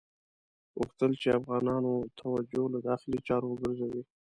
غوښتل یې افغانانو توجه له داخلي چارو وګرځوي.